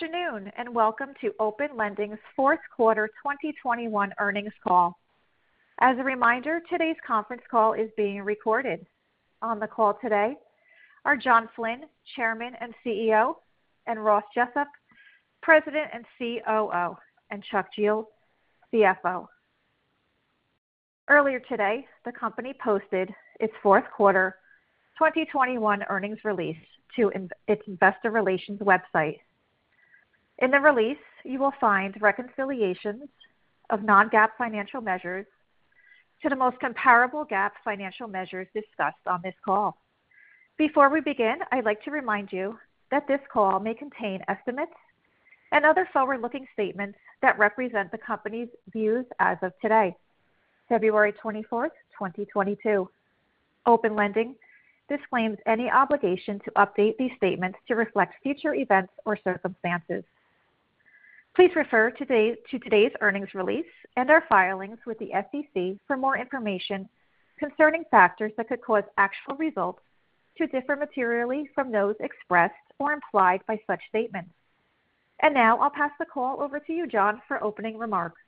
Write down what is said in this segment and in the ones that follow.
Good afternoon, and welcome to Open Lending's fourth quarter 2021 earnings call. As a reminder, today's conference call is being recorded. On the call today are John Flynn, Chairman and CEO, and Ross Jessup, President and COO, and Chuck Jehl, CFO. Earlier today, the company posted its fourth quarter 2021 earnings release to its investor relations website. In the release, you will find reconciliations of non-GAAP financial measures to the most comparable GAAP financial measures discussed on this call. Before we begin, I'd like to remind you that this call may contain estimates and other forward-looking statements that represent the company's views as of today, February 24, 2022. Open Lending disclaims any obligation to update these statements to reflect future events or circumstances. Please refer to today's earnings release and our filings with the SEC for more information concerning factors that could cause actual results to differ materially from those expressed or implied by such statements. Now, I'll pass the call over to you, John, for opening remarks.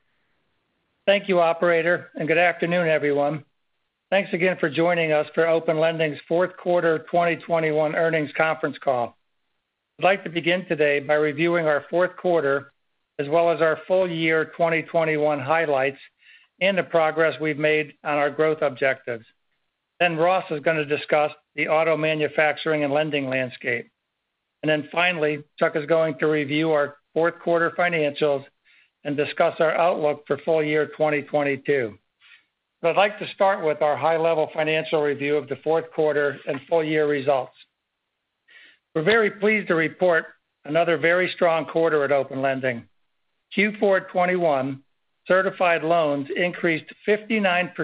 Thank you, operator, and good afternoon, everyone. Thanks again for joining us for Open Lending's fourth quarter 2021 earnings conference call. I'd like to begin today by reviewing our fourth quarter as well as our full year 2021 highlights and the progress we've made on our growth objectives. Ross is gonna discuss the auto manufacturing and lending landscape. Finally, Chuck is going to review our fourth quarter financials and discuss our outlook for full year 2022. I'd like to start with our high-level financial review of the fourth quarter and full year results. We're very pleased to report another very strong quarter at Open Lending. Q4 2021 certified loans increased 59%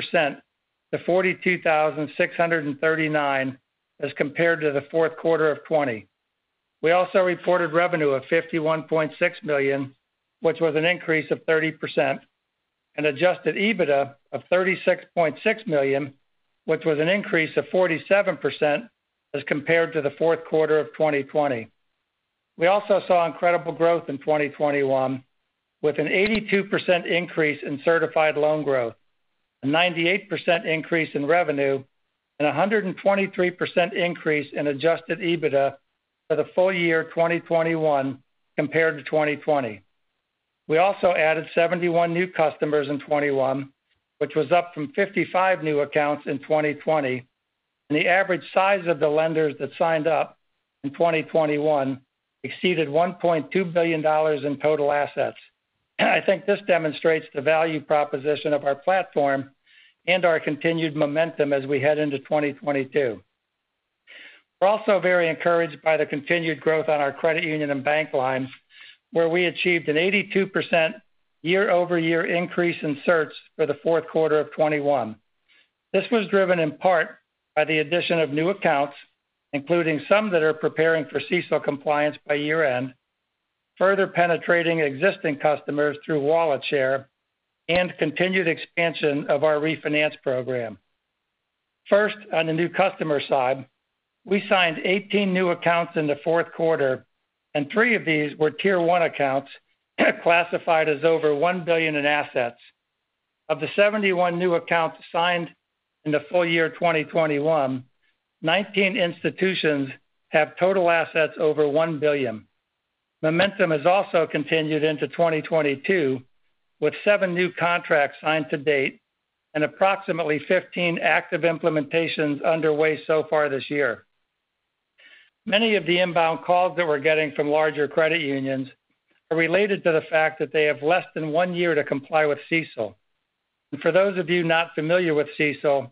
to 42,639 as compared to the fourth quarter of 2020. We reported revenue of $51.6 million, which was an increase of 30%, and adjusted EBITDA of $36.6 million, which was an increase of 47% as compared to the fourth quarter of 2020. We saw incredible growth in 2021, with an 82% increase in certified loan growth, a 98% increase in revenue, and a 123% increase in adjusted EBITDA for the full year 2021 compared to 2020. We added 71 new customers in 2021, which was up from 55 new accounts in 2020, and the average size of the lenders that signed up in 2021 exceeded $1.2 billion in total assets. I think this demonstrates the value proposition of our platform and our continued momentum as we head into 2022. We're also very encouraged by the continued growth on our credit union and bank lines, where we achieved an 82% year-over-year increase in certs for the fourth quarter of 2021. This was driven in part by the addition of new accounts, including some that are preparing for CECL compliance by year-end, further penetrating existing customers through wallet share and continued expansion of our refinance program. First, on the new customer side, we signed 18 new accounts in the fourth quarter, and three of these were tier one accounts classified as over $1 billion in assets. Of the 71 new accounts signed in the full year 2021, 19 institutions have total assets over $1 billion. Momentum has also continued into 2022, with seven new contracts signed to date and approximately 15 active implementations underway so far this year. Many of the inbound calls that we're getting from larger credit unions are related to the fact that they have less than one year to comply with CECL. For those of you not familiar with CECL,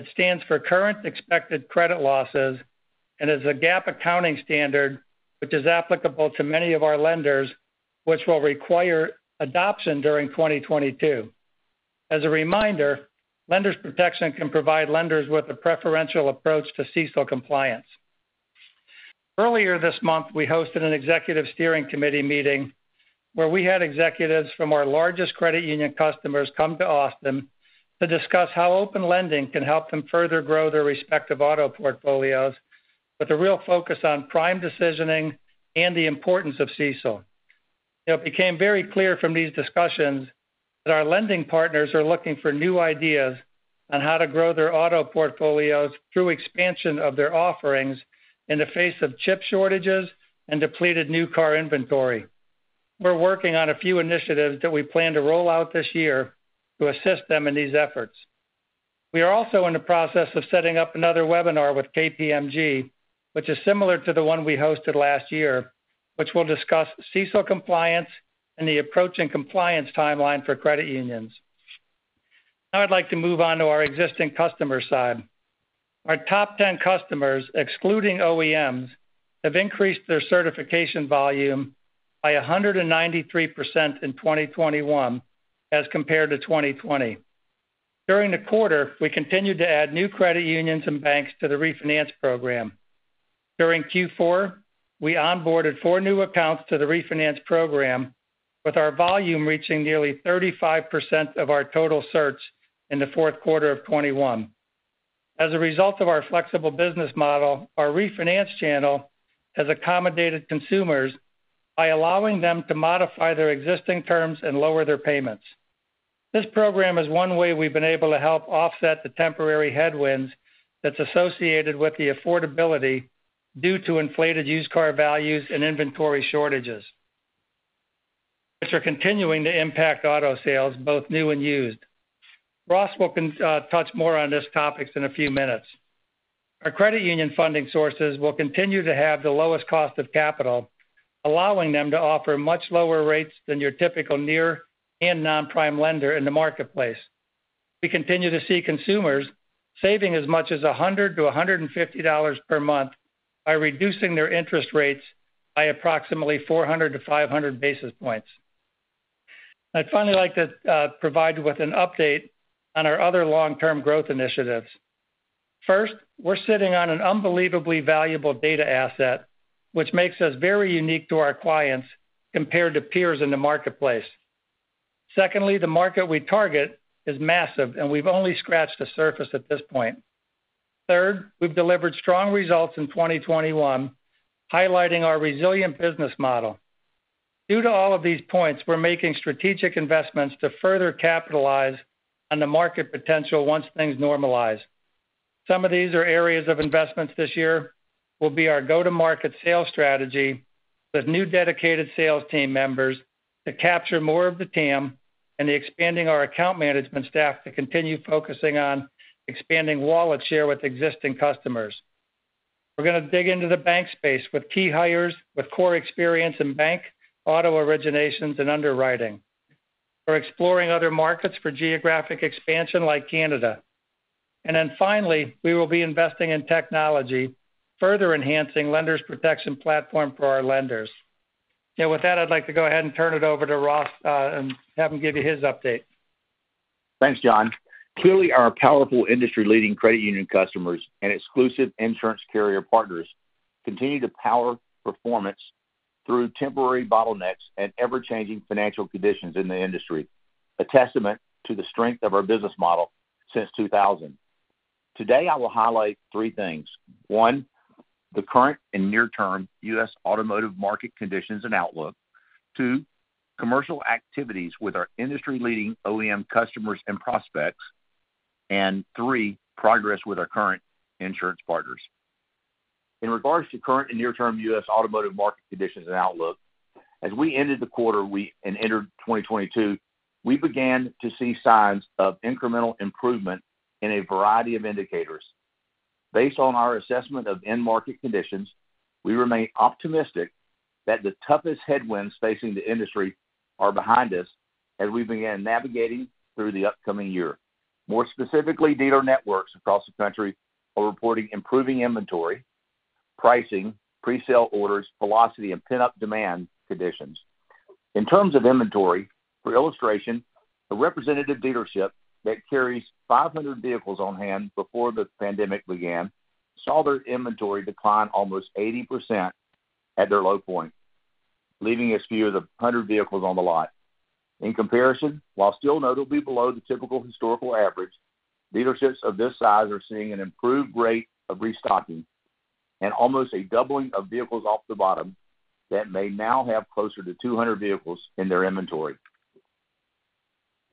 it stands for Current Expected Credit Losses and is a GAAP accounting standard which is applicable to many of our lenders which will require adoption during 2022. As a reminder, Lenders Protection can provide lenders with a preferential approach to CECL compliance. Earlier this month, we hosted an executive steering committee meeting where we had executives from our largest credit union customers come to Austin to discuss how Open Lending can help them further grow their respective auto portfolios with a real focus on prime decisioning and the importance of CECL. It became very clear from these discussions that our lending partners are looking for new ideas on how to grow their auto portfolios through expansion of their offerings in the face of chip shortages and depleted new car inventory. We're working on a few initiatives that we plan to roll out this year to assist them in these efforts. We are also in the process of setting up another webinar with KPMG, which is similar to the one we hosted last year, which will discuss CECL compliance and the approach and compliance timeline for credit unions. Now I'd like to move on to our existing customer side. Our top 10 customers, excluding OEMs, have increased their certification volume by 193% in 2021 as compared to 2020. During the quarter, we continued to add new credit unions and banks to the refinance program. During Q4, we onboarded four new accounts to the refinance program, with our volume reaching nearly 35% of our total certs in the fourth quarter of 2021. As a result of our flexible business model, our refinance channel has accommodated consumers by allowing them to modify their existing terms and lower their payments. This program is one way we've been able to help offset the temporary headwinds that's associated with the affordability due to inflated used car values and inventory shortages, which are continuing to impact auto sales, both new and used. Ross will touch more on this topics in a few minutes. Our credit union funding sources will continue to have the lowest cost of capital, allowing them to offer much lower rates than your typical near and non-prime lender in the marketplace. We continue to see consumers saving as much as $100 to $150 per month by reducing their interest rates by approximately 400 to 500 basis points. I'd finally like to provide you with an update on our other long-term growth initiatives. First, we're sitting on an unbelievably valuable data asset, which makes us very unique to our clients compared to peers in the marketplace. Secondly, the market we target is massive, and we've only scratched the surface at this point. Third, we've delivered strong results in 2021, highlighting our resilient business model. Due to all of these points, we're making strategic investments to further capitalize on the market potential once things normalize. Some of these are areas of investments this year will be our go-to-market sales strategy with new dedicated sales team members to capture more of the TAM and expanding our account management staff to continue focusing on expanding wallet share with existing customers. We're gonna dig into the bank space with key hires with core experience in bank auto originations and underwriting. We're exploring other markets for geographic expansion like Canada. Finally, we will be investing in technology, further enhancing Lenders Protection platform for our lenders. With that, I'd like to go ahead and turn it over to Ross, and have him give you his update. Thanks, John. Clearly, our powerful industry-leading credit union customers and exclusive insurance carrier partners continue to power performance through temporary bottlenecks and ever-changing financial conditions in the industry, a testament to the strength of our business model since 2000. Today, I will highlight three things. One, the current and near-term U.S. automotive market conditions and outlook. Two, commercial activities with our industry-leading OEM customers and prospects. And three, progress with our current insurance partners. In regards to current and near-term U.S. automotive market conditions and outlook, as we ended the quarter and entered 2022, we began to see signs of incremental improvement in a variety of indicators. Based on our assessment of end market conditions, we remain optimistic that the toughest headwinds facing the industry are behind us as we begin navigating through the upcoming year. More specifically, dealer networks across the country are reporting improving inventory, pricing, pre-sale orders, velocity, and pent-up demand conditions. In terms of inventory, for illustration, a representative dealership that carries 500 vehicles on-hand before the pandemic began, saw their inventory decline almost 80% at their low point, leaving as few as 100 vehicles on the lot. In comparison, while still notably below the typical historical average, dealerships of this size are seeing an improved rate of restocking and almost a doubling of vehicles off the bottom that may now have closer to 200 vehicles in their inventory.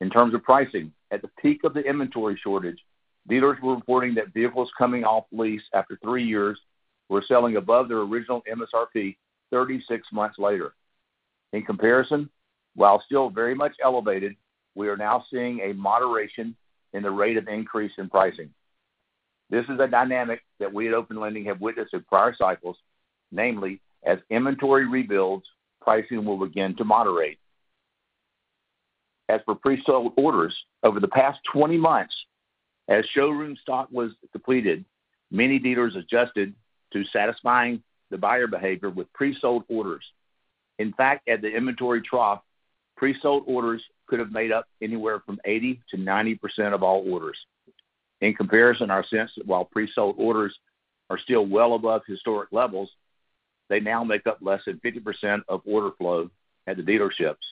In terms of pricing, at the peak of the inventory shortage, dealers were reporting that vehicles coming off lease after three years were selling above their original MSRP 36 months later. In comparison, while still very much elevated, we are now seeing a moderation in the rate of increase in pricing. This is a dynamic that we at Open Lending have witnessed in prior cycles, namely, as inventory rebuilds, pricing will begin to moderate. As for pre-sold orders, over the past 20 months, as showroom stock was depleted, many dealers adjusted to satisfying the buyer behavior with pre-sold orders. In fact, at the inventory trough, pre-sold orders could have made up anywhere from 80% to 90% of all orders. In comparison, our sense that while pre-sold orders are still well above historic levels, they now make up less than 50% of order flow at the dealerships.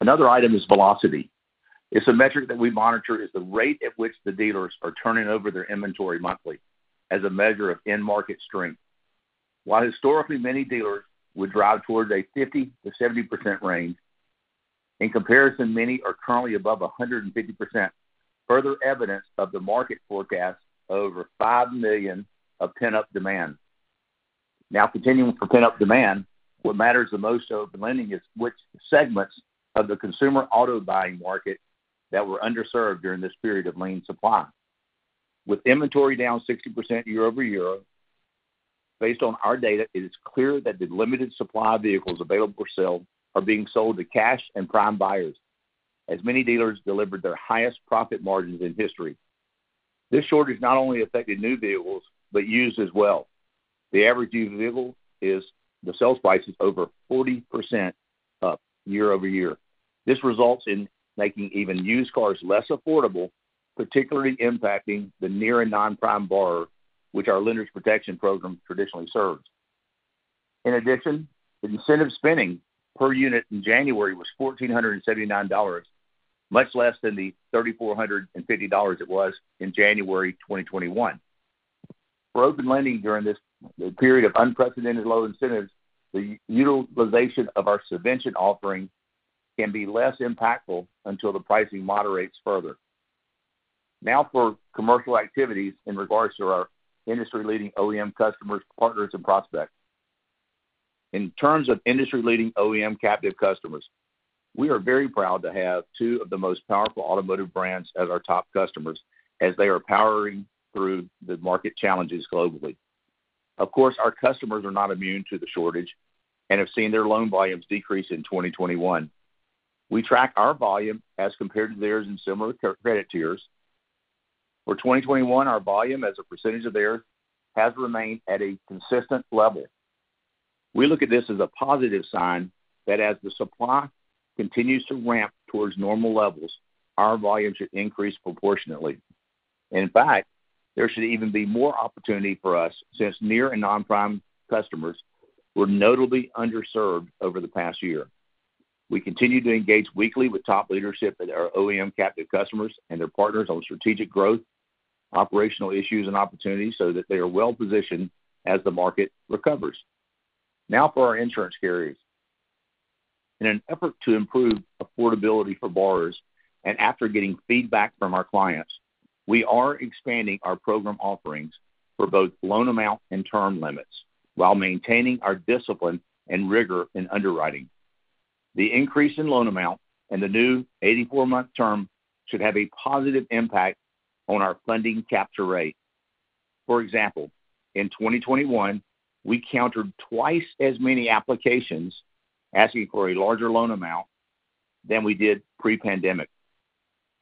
Another item is velocity. It's a metric that we monitor is the rate at which the dealers are turning over their inventory monthly as a measure of end market strength. While historically, many dealers would drive towards a 50% to 70% range, in comparison, many are currently above 150%. Further evidence of the market forecast over 5 million of pent-up demand. Now continuing for pent-up demand, what matters the most to Open Lending is which segments of the consumer auto-buying market that were underserved during this period of lean supply. With inventory down 60% year-over-year, based on our data, it is clear that the limited supply of vehicles available for sale are being sold to cash and prime buyers, as many dealers delivered their highest profit margins in history. This shortage not only affected new vehicles, but used as well. The average used vehicle sale price is over 40% up year-over-year. This results in making even used cars less affordable, particularly impacting the near and non-prime borrower, which our Lenders Protection program traditionally serves. In addition, the incentive spending per unit in January was $1,479, much less than the $3,450 it was in January 2021. For Open Lending during this period of unprecedented low incentives, the utilization of our subvention offering can be less impactful until the pricing moderates further. Now for commercial activities in regards to our industry-leading OEM customers, partners, and prospects. In terms of industry-leading OEM captive customers, we are very proud to have two of the most powerful automotive brands as our top customers as they are powering through the market challenges globally. Of course, our customers are not immune to the shortage and have seen their loan volumes decrease in 2021. We track our volume as compared to theirs in similar credit tiers. For 2021, our volume as a percentage of theirs has remained at a consistent level. We look at this as a positive sign that as the supply continues to ramp towards normal levels, our volume should increase proportionately. In fact, there should even be more opportunity for us since near and non-prime customers were notably underserved over the past year. We continue to engage weekly with top leadership at our OEM captive customers and their partners on strategic growth, operational issues and opportunities so that they are well positioned as the market recovers. Now for our insurance carriers. In an effort to improve affordability for borrowers and after getting feedback from our clients, we are expanding our program offerings for both loan amount and term limits while maintaining our discipline and rigor in underwriting. The increase in loan amount and the new 84-month term should have a positive impact on our funding capture rate. For example, in 2021, we countered twice as many applications asking for a larger loan amount than we did pre-pandemic.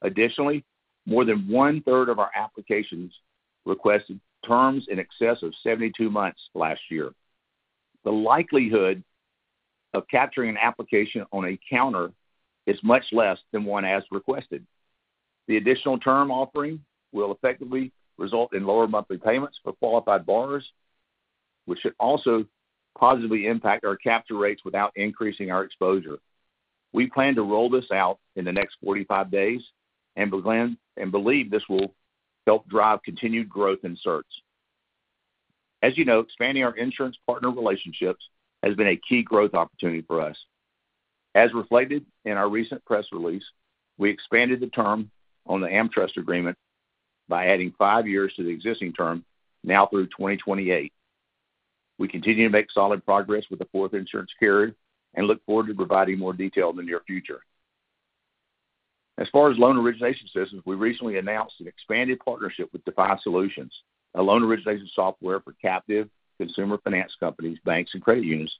Additionally, more than one-third of our applications requested terms in excess of 72 months last year. The likelihood of capturing an application on a counter is much less than one as requested. The additional term offering will effectively result in lower monthly payments for qualified borrowers, which should also positively impact our capture rates without increasing our exposure. We plan to roll this out in the next 45 days and believe this will help drive continued growth in CERTS. As you know, expanding our insurance partner relationships has been a key growth opportunity for us. As reflected in our recent press release, we expanded the term on the AmTrust agreement by adding five years to the existing term now through 2028. We continue to make solid progress with the fourth insurance carrier and look forward to providing more detail in the near future. As far as loan origination systems, we recently announced an expanded partnership with defi SOLUTIONS, a loan origination software for captive consumer finance companies, banks, and credit unions.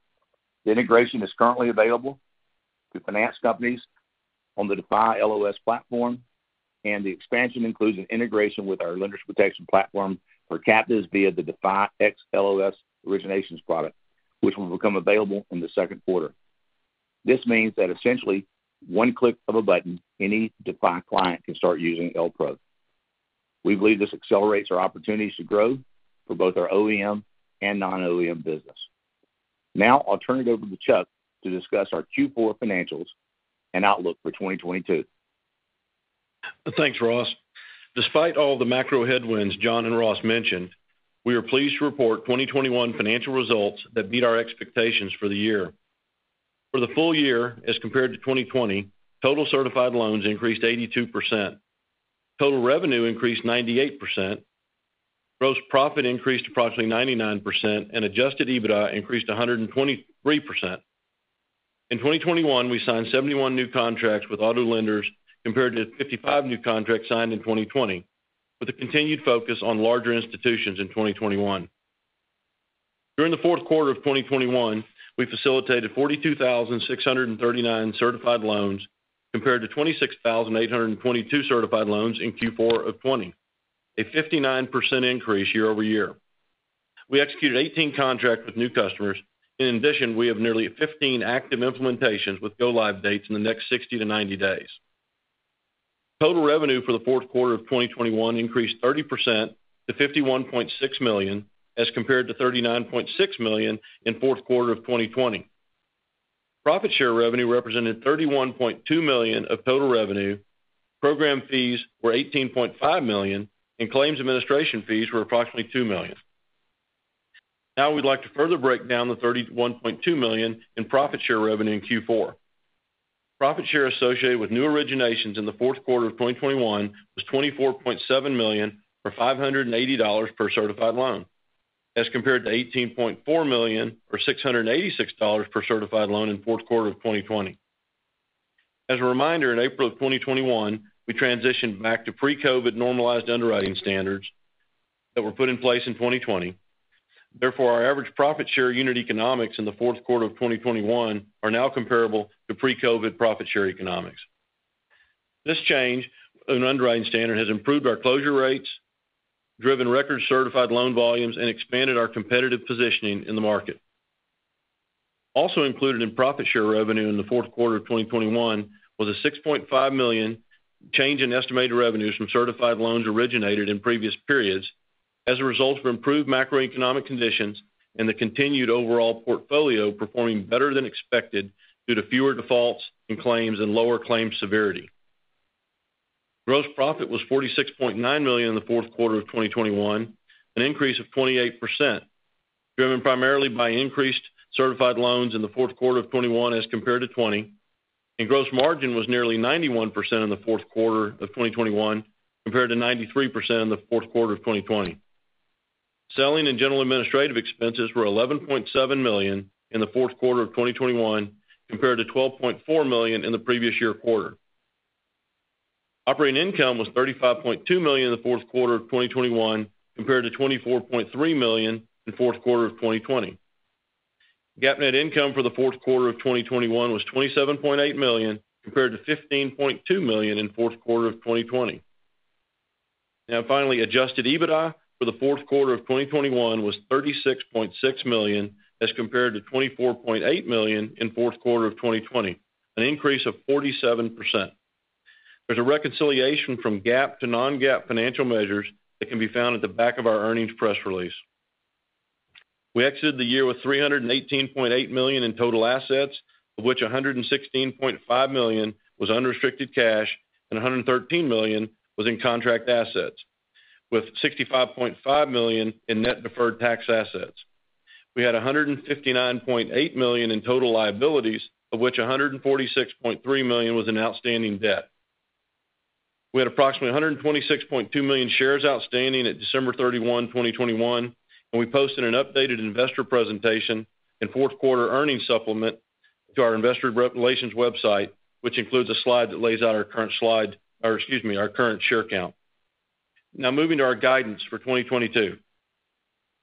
The integration is currently available to finance companies on the defi LOS platform, and the expansion includes an integration with our lender protection platform for captives via the defi XLOS originations product, which will become available in the second quarter. This means that essentially one click of a button, any defi client can start using LPRO. We believe this accelerates our opportunities to grow for both our OEM and non-OEM business. Now I'll turn it over to Chuck to discuss our Q4 financials and outlook for 2022. Thanks, Ross. Despite all the macro headwinds John and Ross mentioned, we are pleased to report 2021 financial results that beat our expectations for the year. For the full year as compared to 2020, total certified loans increased 82%. Total revenue increased 98%. Gross profit increased approximately 99%, and adjusted EBITDA increased 123%. In 2021, we signed 71 new contracts with auto lenders compared to 55 new contracts signed in 2020, with a continued focus on larger institutions in 2021. During the fourth quarter of 2021, we facilitated 42,639 certified loans compared to 26,822 certified loans in Q4 of 2020, a 59% increase year over year. We executed 18 contracts with new customers. In addition, we have nearly 15 active implementations with go-live dates in the next 60 to 90 days. Total revenue for the fourth quarter of 2021 increased 30% to $51.6 million as compared to $39.6 million in fourth quarter of 2020. Profit share revenue represented $31.2 million of total revenue. Program fees were $18.5 million, and claims administration fees were approximately $2 million. Now we'd like to further break down the $31.2 million in profit share revenue in Q4. Profit share associated with new originations in the fourth quarter of 2021 was $24.7 million or $580 per certified loan as compared to $18.4 million or $686 per certified loan in fourth quarter of 2020. As a reminder, in April 2021, we transitioned back to pre-COVID normalized underwriting standards that were put in place in 2020. Therefore, our average profit share unit economics in the fourth quarter of 2021 are now comparable to pre-COVID profit share economics. This change in underwriting standard has improved our closure rates, driven record-certified loan volumes, and expanded our competitive positioning in the market. Also included in profit share revenue in the fourth quarter of 2021 was a $6.5 million change in estimated revenues from certified loans originated in previous periods as a result of improved macroeconomic conditions and the continued overall portfolio performing better than expected due to fewer defaults and claims and lower claim severity. Gross profit was $46.9 million in the fourth quarter of 2021, an increase of 28%, driven primarily by increased certified loans in the fourth quarter of 2021 as compared to 2020, and gross margin was nearly 91% in the fourth quarter of 2021 compared to 93% in the fourth quarter of 2020. Selling and general administrative expenses were $11.7 million in the fourth quarter of 2021 compared to $12.4 million in the previous year quarter. Operating income was $35.2 million in the fourth quarter of 2021 compared to $24.3 million in fourth quarter of 2020. GAAP net income for the fourth quarter of 2021 was $27.8 million compared to $15.2 million in fourth quarter of 2020. Adjusted EBITDA for the fourth quarter of 2021 was $36.6 million as compared to $24.8 million in fourth quarter of 2020, an increase of 47%. There's a reconciliation from GAAP to non-GAAP financial measures that can be found at the back of our earnings press release. We exited the year with $318.8 million in total assets, of which $116.5 million was unrestricted cash and $113 million was in contract assets, with $65.5 million in net deferred tax assets. We had $159.8 million in total liabilities, of which $146.3 million was in outstanding debt. We had approximately 126.2 million shares outstanding at December 31, 2021, and we posted an updated investor presentation and fourth quarter earnings supplement to our investor relations website, which includes a slide that lays out our current share count. Now moving to our guidance for 2022.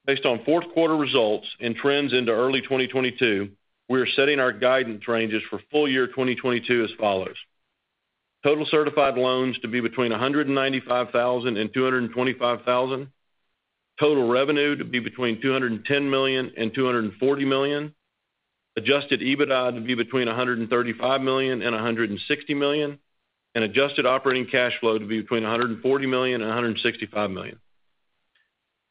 Based on fourth quarter results and trends into early 2022, we are setting our guidance ranges for full year 2022 as follows: total certified loans to be between 195,000 and 225,000, total revenue to be between $210 million and $240 million, adjusted EBITDA to be between $135 million and $160 million, and adjusted operating cash flow to be between $140 million and $165 million.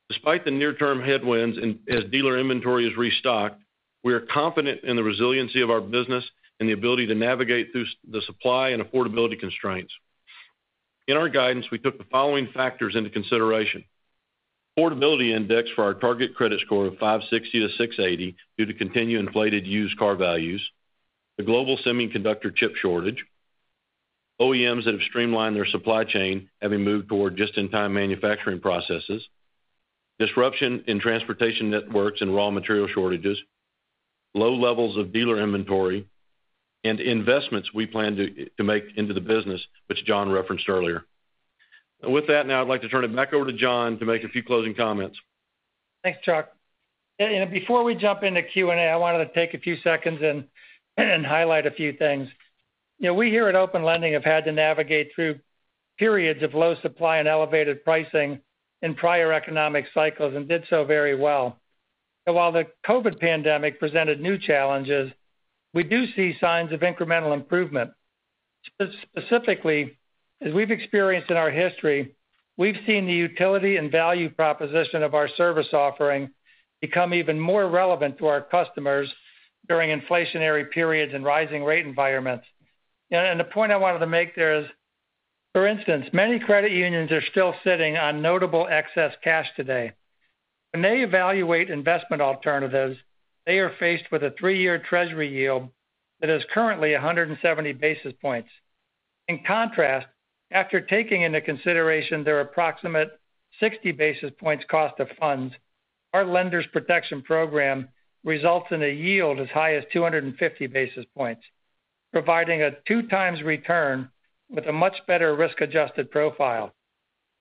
Despite the near-term headwinds and as dealer inventory is restocked, we are confident in the resiliency of our business and the ability to navigate through the supply and affordability constraints. In our guidance, we took the following factors into consideration. Affordability index for our target credit score of 560 to 680 due to continued inflated used car values, the global semiconductor chip shortage, OEMs that have streamlined their supply chain, having moved toward just-in-time manufacturing processes, disruption in transportation networks and raw material shortages, low levels of dealer inventory, and investments we plan to make into the business, which John referenced earlier. With that, now I'd like to turn it back over to John to make a few closing comments. Thanks, Chuck. Before we jump into Q&A, I wanted to take a few seconds and highlight a few things. You know, we here at Open Lending have had to navigate through periods of low supply and elevated pricing in prior economic cycles and did so very well. While the COVID pandemic presented new challenges, we do see signs of incremental improvement. Specifically, as we've experienced in our history, we've seen the utility and value proposition of our service offering become even more relevant to our customers during inflationary periods and rising rate environments. The point I wanted to make there is, for instance, many credit unions are still sitting on notable excess cash today. When they evaluate investment alternatives, they are faced with a three-year Treasury yield that is currently 170 basis points. In contrast, after taking into consideration their approximate 60 basis points cost of funds, our Lenders Protection Program results in a yield as high as 250 basis points, providing a 2x return with a much better risk-adjusted profile.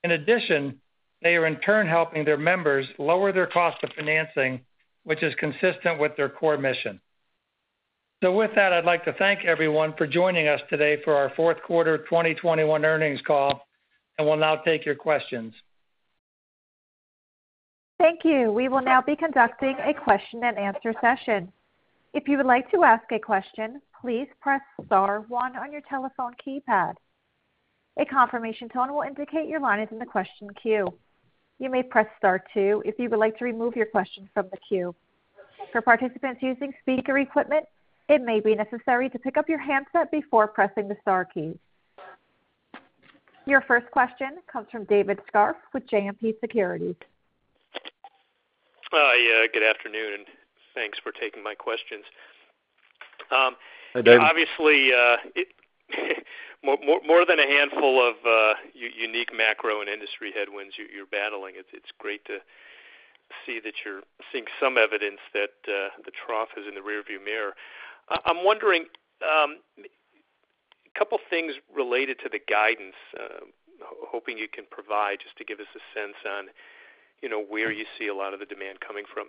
In addition, they are in turn helping their members lower their cost of financing, which is consistent with their core mission. With that, I'd like to thank everyone for joining us today for our fourth quarter of 2021 earnings call, and we'll now take your questions. Thank you. We will now be conducting a question and answer session. If you would like to ask a question, please press star one on your telephone keypad. A confirmation tone will indicate your line is in the question queue. You may press star two if you would like to remove your question from the queue. For participants using speaker equipment, it may be necessary to pick up your handset before pressing the star keys. Your first question comes from David Scharf with JMP Securities. Hi. Good afternoon, and thanks for taking my questions. Hi, David. Obviously, more than a handful of unique macro and industry headwinds you're battling. It's great to see that you're seeing some evidence that the trough is in the rearview mirror. I'm wondering a couple things related to the guidance, hoping you can provide just to give us a sense on, you know, where you see a lot of the demand coming from.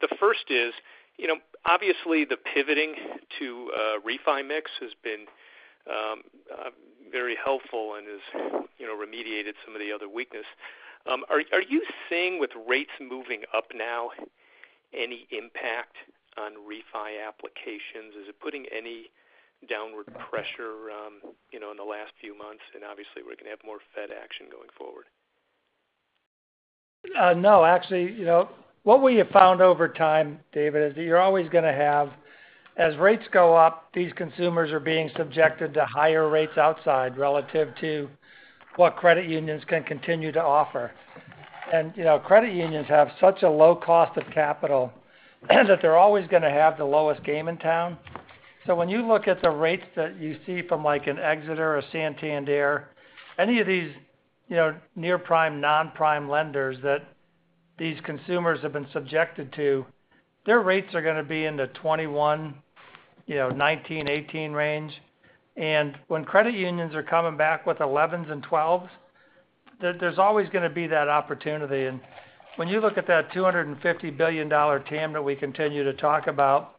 The first is, you know, obviously the pivoting to refi mix has been very helpful and has, you know, remediated some of the other weakness. Are you seeing with rates moving up now any impact on refi applications? Is it putting any downward pressure, you know, in the last few months? Obviously we're gonna have more Fed action going forward. No, actually, you know, what we have found over time, David, is that you're always gonna have as rates go up, these consumers are being subjected to higher rates outside relative to what credit unions can continue to offer. You know, credit unions have such a low cost of capital that they're always gonna have the lowest rate in town. When you look at the rates that you see from like an Exeter or Santander, any of these, you know, near-prime, non-prime lenders that these consumers have been subjected to, their rates are gonna be in the 21%, 19%, 18% range. When credit unions are coming back with 11s and 12s, there's always gonna be that opportunity. When you look at that $250 billion TAM that we continue to talk about,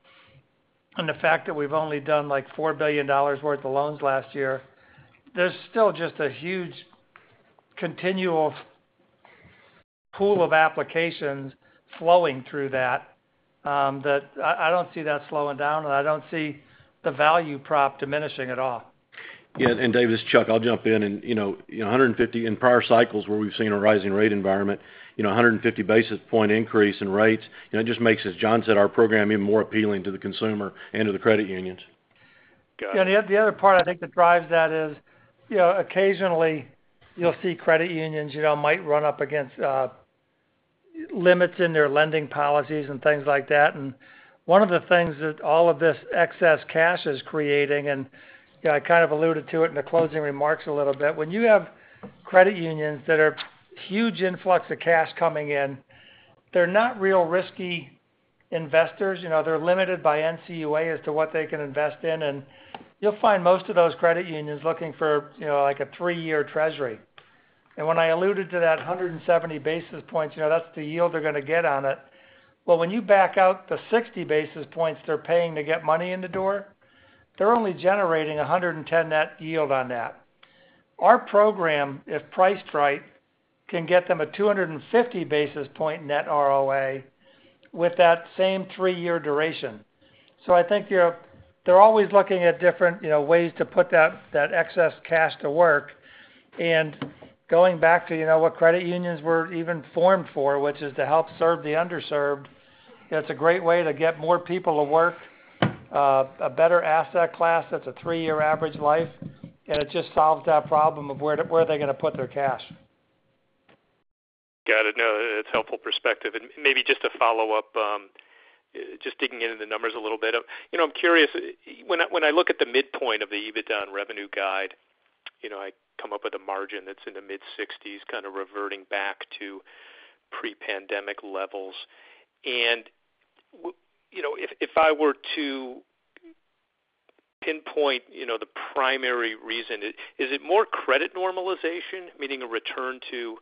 and the fact that we've only done like $4 billion worth of loans last year, there's still just a huge continual pool of applications flowing through that, I don't see that slowing down, and I don't see the value prop diminishing at all. Yeah. David, this is Chuck, I'll jump in. You know, in prior cycles where we've seen a rising rate environment, you know, 150 basis point increase in rates, you know, it just makes, as John said, our program even more appealing to the consumer and to the credit unions. Yeah. The other part I think that drives that is, you know, occasionally you'll see credit unions, you know, might run up against limits in their lending policies and things like that. One of the things that all of this excess cash is creating, you know, I kind of alluded to it in the closing remarks a little bit. When you have credit unions that are huge influx of cash coming in, they're not real risky investors. You know, they're limited by NCUA as to what they can invest in. You'll find most of those credit unions looking for, you know, like a 3-year treasury. When I alluded to that 170 basis points, you know, that's the yield they're gonna get on it. Well, when you back out the 60 basis points they're paying to get money in the door, they're only generating a 110 net yield on that. Our program, if priced right, can get them a 250 basis points net ROA with that same 3-year duration. I think they're always looking at different, you know, ways to put that excess cash to work. Going back to, you know, what credit unions were even formed for, which is to help serve the underserved, it's a great way to get more people to work, a better asset class that's a 3-year average life, and it just solves that problem of where are they gonna put their cash. Got it. No, it's helpful perspective. Maybe just to follow up, just digging into the numbers a little bit. You know, I'm curious, when I look at the midpoint of the EBITDA and revenue guide, you know, I come up with a margin that's in the mid-60s%, kind of reverting back to pre-pandemic levels. You know, if I were to pinpoint, you know, the primary reason, is it more credit normalization, meaning a return to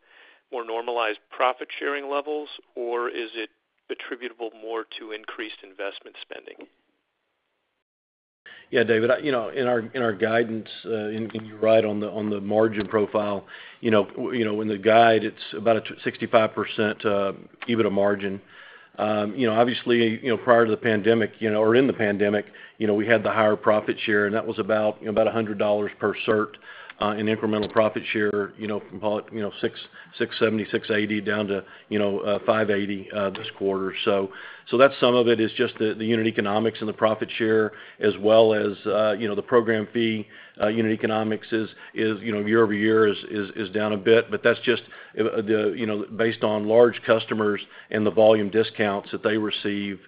more normalized profit sharing levels, or is it attributable more to increased investment spending? Yeah, David. You know, in our guidance, and you're right on the margin profile. You know, in the guide, it's about a 65% EBITDA margin. You know, obviously, prior to the pandemic or in the pandemic, we had the higher profit share, and that was about $100 per cert in incremental profit share. You know, call it 670, 680 down to 580 this quarter. So that's some of it, is just the unit economics and the profit share as well as the program fee. Unit economics is, you know, year-over-year down a bit, but that's just you know, based on large customers and the volume discounts that they receive,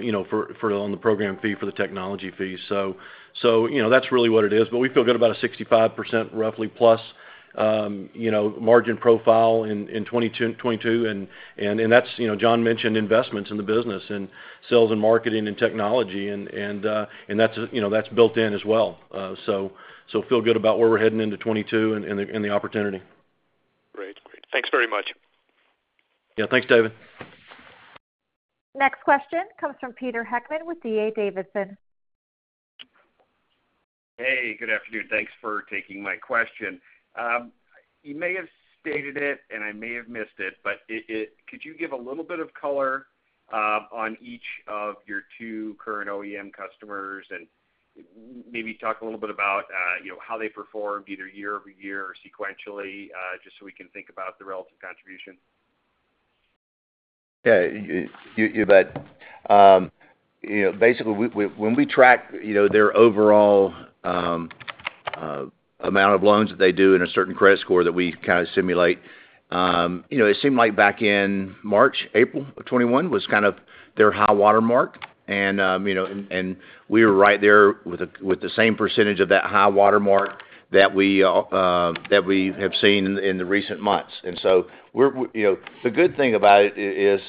you know, on the program fee, for the technology fees. So, you know, that's really what it is. But we feel good about a roughly 65% plus, you know, margin profile in 2022. That's you know, John mentioned investments in the business and sales and marketing and technology and that's you know, that's built in as well. Feel good about where we're heading into 2022 and the opportunity. Great. Thanks very much. Yeah. Thanks, David. Next question comes from Peter Heckmann with D.A. Davidson. Hey, good afternoon. Thanks for taking my question. You may have stated it, and I may have missed it, but could you give a little bit of color on each of your two current OEM customers and maybe talk a little bit about you know, how they performed either year-over-year or sequentially, just so we can think about the relative contribution? Yeah. You bet. You know, basically, when we track their overall amount of loans that they do in a certain credit score that we kind of simulate, you know, it seemed like back in March, April of 2021 was kind of their high water mark. You know, we were right there with the same percentage of that high water mark that we have seen in the recent months. You know, the good thing about it is,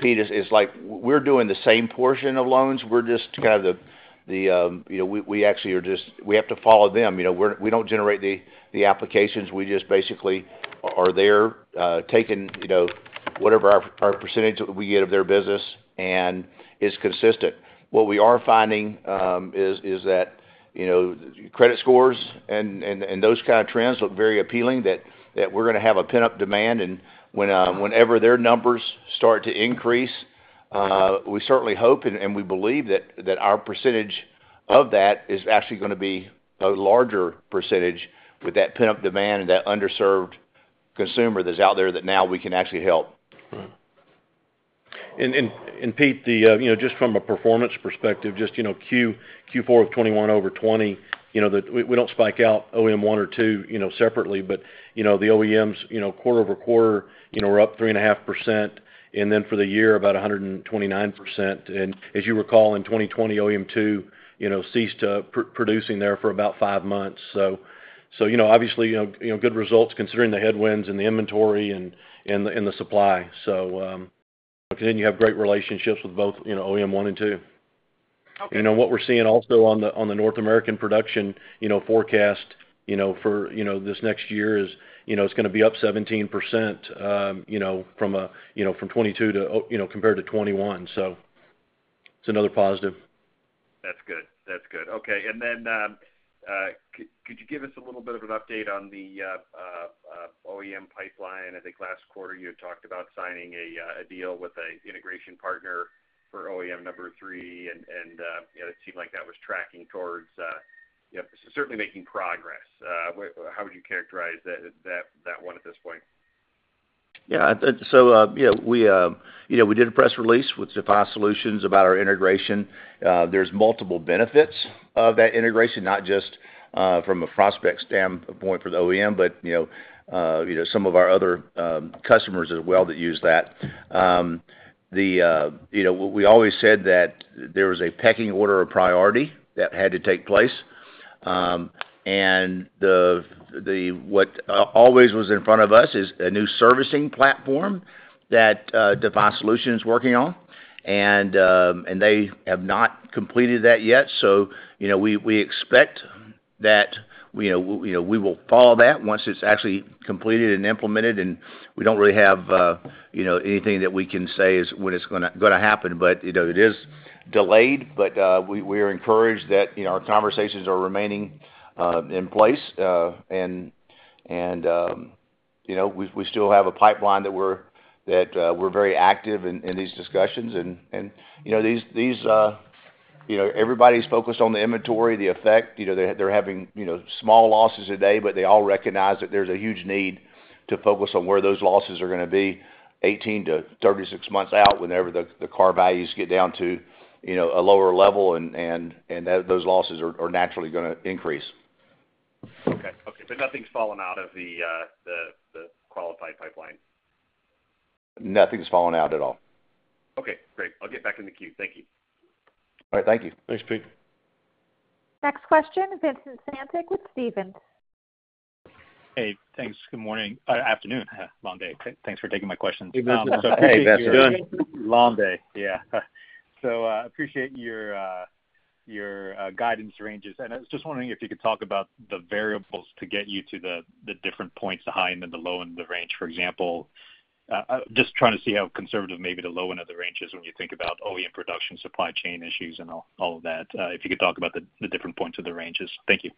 Peter, is like we're doing the same portion of loans. We're just kind of, you know, we actually have to follow them. You know, we don't generate the applications. We just basically are there taking, you know- Whatever our percentage we get of their business and is consistent. What we are finding is that, you know, credit scores and those kind of trends look very appealing that we're going to have a pent-up demand. Whenever their numbers start to increase, we certainly hope and we believe that our percentage of that is actually going to be a larger percentage with that pent-up demand and that underserved consumer that's out there that now we can actually help. Pete, you know, just from a performance perspective, just, you know, Q4 of 2021 over 2020, you know, we don't break out OEM one or two, you know, separately. You know, the OEMs, you know, quarter-over-quarter, you know, were up 3.5%. Then for the year, about 129%. As you recall, in 2020, OEM two, you know, ceased producing there for about five months. You know, obviously, you know, good results considering the headwinds and the inventory and the supply. Continue to have great relationships with both, you know, OEM one and two. Okay. You know, what we're seeing also on the North American production, you know, forecast, you know, for this next year is, you know, it's going to be up 17%, you know, from 2022 compared to 2021. It's another positive. That's good. Okay. Could you give us a little bit of an update on the OEM pipeline? I think last quarter you had talked about signing a deal with an integration partner for OEM number three. You know, it seemed like that was tracking towards you know, certainly making progress. How would you characterize that one at this point? Yeah. You know, we did a press release with defi SOLUTIONS about our integration. There's multiple benefits of that integration, not just from a prospect standpoint for the OEM, but you know, some of our other customers as well that use that. You know, we always said that there was a pecking order of priority that had to take place. What always was in front of us is a new servicing platform that defi SOLUTIONS is working on. They have not completed that yet. You know, we expect that you know, we will follow that once it's actually completed and implemented. We don't really have, you know, anything that we can say is when it's gonna happen. You know, it is delayed, but we are encouraged that, you know, our conversations are remaining in place. You know, we still have a pipeline that we're very active in these discussions. You know, everybody's focused on the inventory effect. You know, they're having small losses a day, but they all recognize that there's a huge need to focus on where those losses are going to be 18 to 36 months out whenever the car values get down to a lower level, and that those losses are naturally going to increase. Okay. Nothing's fallen out of the qualified pipeline? Nothing's fallen out at all. Okay, great. I'll get back in the queue. Thank you. All right. Thank you. Thanks, Peter. Next question is Vincent Caintic with Stephens. Hey, thanks. Good morning, afternoon. Long day. Thanks for taking my questions. Hey, Vincent. Long day. Yeah. Appreciate your guidance ranges. I was just wondering if you could talk about the variables to get you to the different points, the high and then the low end of the range. For example, just trying to see how conservative maybe the low end of the range is when you think about OEM production, supply chain issues and all of that. If you could talk about the different points of the ranges. Thank you.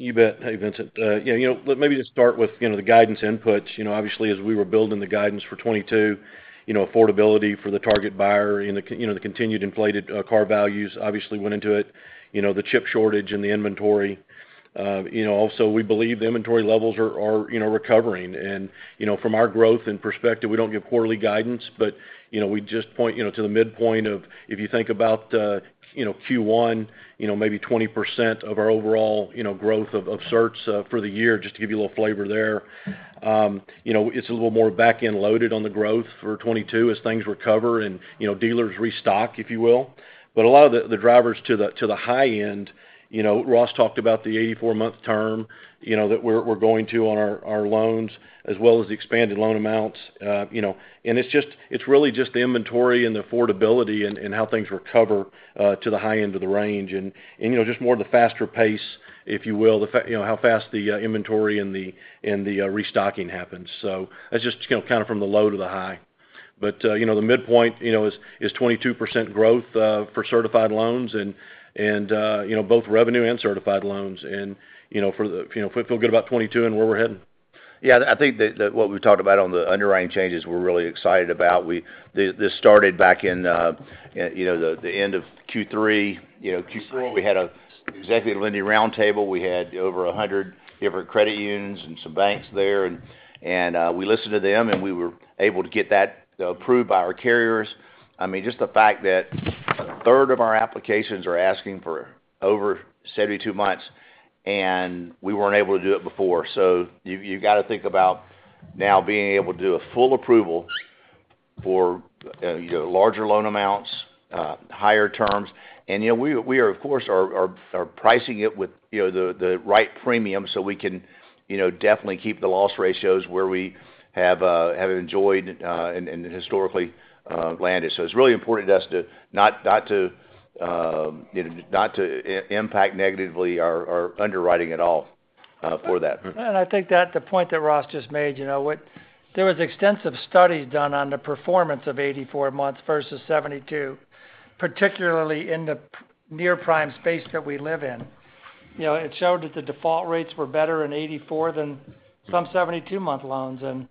You bet. Hey, Vincent. Yeah, you know, maybe just start with, you know, the guidance inputs. You know, obviously, as we were building the guidance for 2022, you know, affordability for the target buyer and the continued inflated car values obviously went into it. You know, the chip shortage and the inventory. You know, also, we believe the inventory levels are recovering. You know, from our growth and perspective, we don't give quarterly guidance, but, you know, we just point, you know, to the midpoint of if you think about, you know, Q1, you know, maybe 20% of our overall, you know, growth of certs for the year, just to give you a little flavor there. You know, it's a little more back-end loaded on the growth for 2022 as things recover and, you know, dealers restock, if you will. A lot of the drivers to the high end, you know, Ross talked about the 84-month term, you know, that we're going to on our loans as well as the expanded loan amounts. You know, it's just. It's really just the inventory and the affordability and how things recover to the high end of the range. You know, just more of the faster pace, if you will. You know, how fast the inventory and the restocking happens. That's just you know, kind of from the low to the high. You know, the midpoint, you know, is 22% growth for certified loans and you know, both revenue and certified loans. you know, for the, you know, we feel good about 2022 and where we're heading. Yeah, I think that what we talked about on the underwriting changes, we're really excited about. This started back in, you know, the end of Q3. You know, Q4, we had an executive lending roundtable. We had over 100 different credit unions and some banks there. We listened to them, and we were able to get that approved by our carriers. I mean, just the fact that a third of our applications are asking for over 72 months, and we weren't able to do it before. You got to think about now being able to do a full approval for, you know, larger loan amounts, higher terms. You know, we are, of course, pricing it with, you know, the right premium so we can, you know, definitely keep the loss ratios where we have enjoyed and historically landed. It's really important to us to not to, you know, not to impact negatively our underwriting at all. I think that the point that Ross just made, you know. There was extensive studies done on the performance of 84 months versus 72, particularly in the near-prime space that we live in. You know, it showed that the default rates were better in 84 than some 72-month loans. You know, that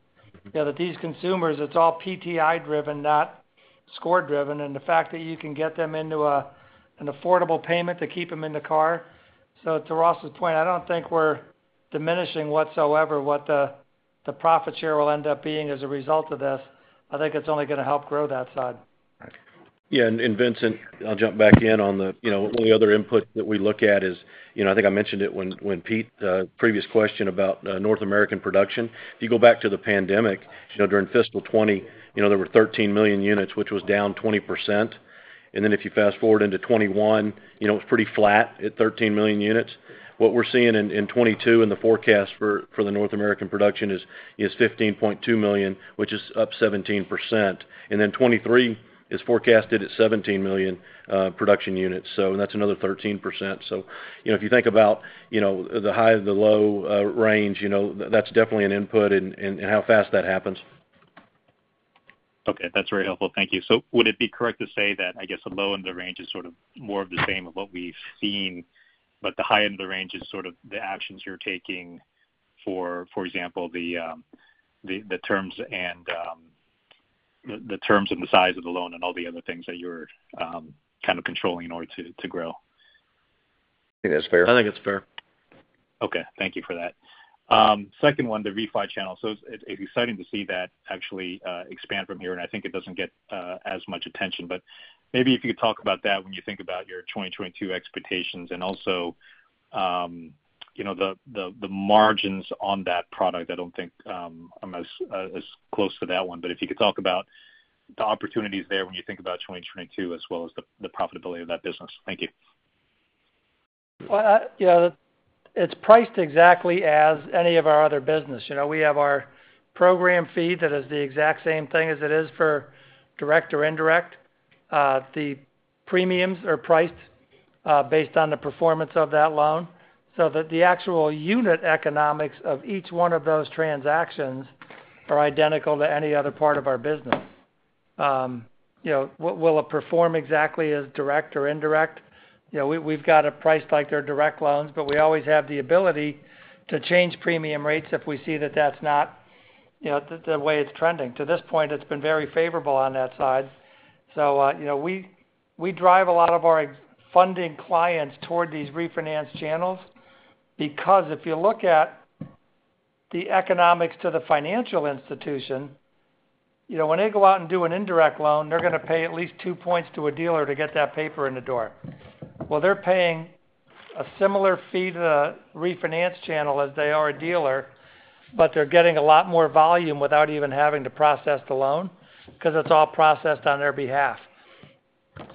these consumers, it's all PTI-driven, not score-driven. The fact that you can get them into an affordable payment to keep them in the car. To Ross's point, I don't think we're diminishing whatsoever what the profit share will end up being as a result of this. I think it's only gonna help grow that side. Yeah. Vincent, I'll jump back in on the, you know, one of the other inputs that we look at is, you know, I think I mentioned it when Pete previous question about North American production. If you go back to the pandemic, you know, during fiscal 2020, you know, there were 13 million units, which was down 20%. Then if you fast-forward into 2021, you know, it's pretty flat at 13 million units. What we're seeing in 2022 and the forecast for the North American production is 15.2 million, which is up 17%. Then 2023 is forecasted at 17 million production units. That's another 13%. You know, if you think about, you know, the high, the low, range, you know, that's definitely an input in how fast that happens. Okay. That's very helpful. Thank you. Would it be correct to say that, I guess, the low end of the range is sort of more of the same of what we've seen, but the high end of the range is sort of the actions you're taking, for example, the terms and the size of the loan and all the other things that you're kind of controlling in order to grow? I think that's fair. I think it's fair. Okay. Thank you for that. Second one, the refi channel. It's exciting to see that actually expand from here, and I think it doesn't get as much attention. Maybe if you could talk about that when you think about your 2022 expectations and also you know, the margins on that product. I don't think I'm as close to that one. If you could talk about the opportunities there when you think about 2022, as well as the profitability of that business. Thank you. Well, you know, it's priced exactly as any of our other business. You know, we have our program fee that is the exact same thing as it is for direct or indirect. The premiums are priced based on the performance of that loan, so that the actual unit economics of each one of those transactions are identical to any other part of our business. You know, will it perform exactly as direct or indirect? You know, we've got it priced like they're direct loans, but we always have the ability to change premium rates if we see that that's not, you know, the way it's trending. To this point, it's been very favorable on that side. You know, we drive a lot of our existing funding clients toward these refinance channels because if you look at the economics to the financial institution, you know, when they go out and do an indirect loan, they're gonna pay at least two points to a dealer to get that paper in the door. Well, they're paying a similar fee to the refinance channel as they are to a dealer, but they're getting a lot more volume without even having to process the loan 'cause it's all processed on their behalf.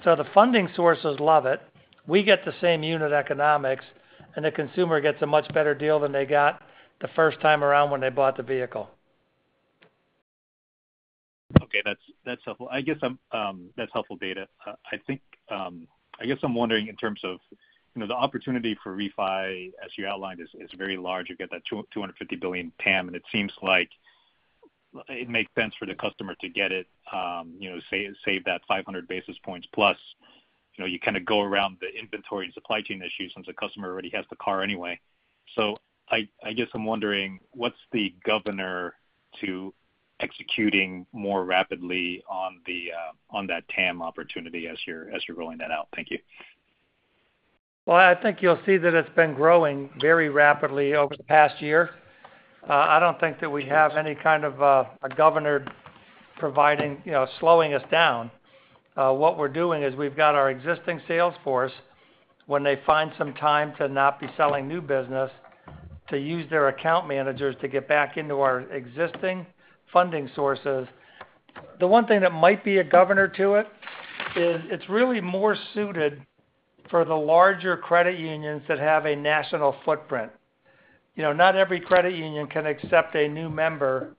The funding sources love it, we get the same unit economics, and the consumer gets a much better deal than they got the first time around when they bought the vehicle. Okay, that's helpful. That's helpful data. I guess I'm wondering in terms of, you know, the opportunity for refi, as you outlined, is very large. You get that $250 billion TAM, and it seems like it makes sense for the customer to get it, you know, save that 500 basis points plus. You know, you kinda go around the inventory and supply chain issues since the customer already has the car anyway. I guess I'm wondering what's the governor to executing more rapidly on that TAM opportunity as you're rolling that out? Thank you. Well, I think you'll see that it's been growing very rapidly over the past year. I don't think that we have any kind of a governor providing, you know, slowing us down. What we're doing is we've got our existing sales force, when they find some time to not be selling new business, to use their account managers to get back into our existing funding sources. The one thing that might be a governor to it is it's really more suited for the larger credit unions that have a national footprint. You know, not every credit union can accept a new member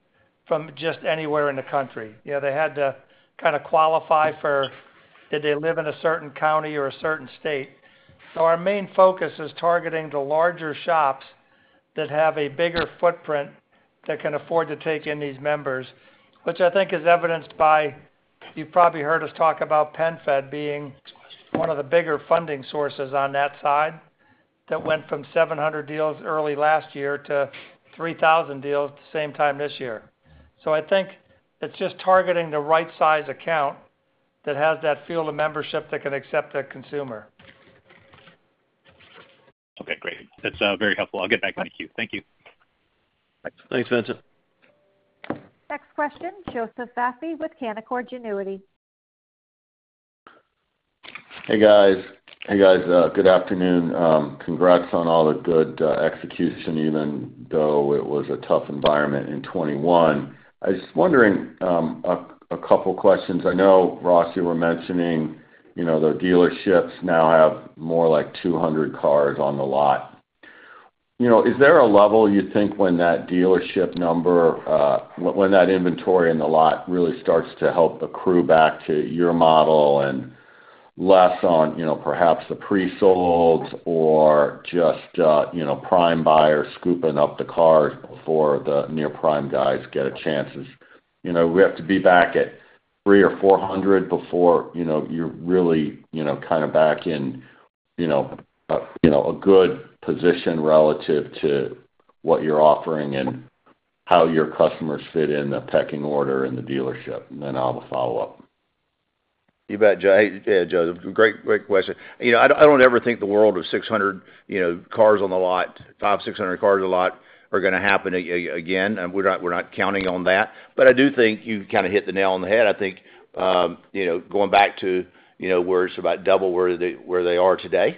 from just anywhere in the country. You know, they had to kinda qualify for, did they live in a certain county or a certain state? Our main focus is targeting the larger shops that have a bigger footprint that can afford to take in these members, which I think is evidenced by, you've probably heard us talk about PenFed being one of the bigger funding sources on that side that went from 700 deals early last year to 3,000 deals the same time this year. I think it's just targeting the right size account that has that field of membership that can accept that consumer. Okay, great. That's very helpful. I'll get back in queue. Thank you. Thanks, Vincent. Next question, Joseph Vafi with Canaccord Genuity. Hey, guys, good afternoon. Congrats on all the good execution, even though it was a tough environment in 2021. I was just wondering, a couple questions. I know, Ross, you were mentioning, you know, the dealerships now have more like 200 cars on the lot. You know, is there a level you think when that dealership number, when that inventory in the lot really starts to help accrue back to your model and less on, you know, perhaps the pre-solds or just, you know, prime buyers scooping up the cars before the near prime guys get a chance. You know, we have to be back at 300 or 400 before, you know, you're really, you know, kind of back in, you know, a good position relative to what you're offering and how your customers fit in the pecking order in the dealership. I'll have a follow-up. You bet, Joe. Hey, Joe, great question. You know, I don't ever think the world of 600, you know, cars on the lot, top 600 cars a lot are gonna happen again, and we're not counting on that. I do think you've kind of hit the nail on the head. I think, you know, going back to, you know, where it's about double where they are today.